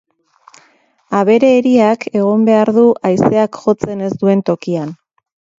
Abere eriak egon behar du haizeak jotzen ez duen tokian.